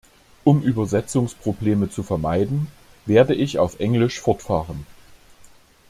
Um Übersetzungsprobleme zu vermeiden, werde ich auf Englisch fortfahren.